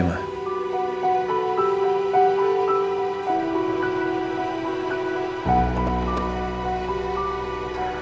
sampai jumpa lagi